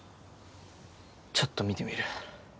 ⁉ちょっと見てみる。